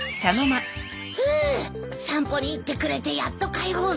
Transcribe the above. フゥ散歩に行ってくれてやっと解放されたよ。